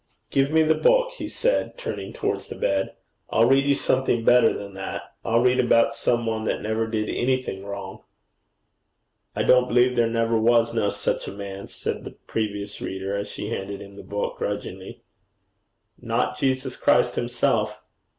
'Give me the book,' he said, turning towards the bed. 'I'll read you something better than that. I'll read about some one that never did anything wrong.' 'I don't believe there never was no sich a man,' said the previous reader, as she handed him the book, grudgingly. 'Not Jesus Christ himself?'